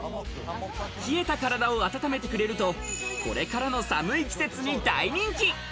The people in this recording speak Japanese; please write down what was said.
冷えた体をあたためてくれると、これからの寒い季節に大人気。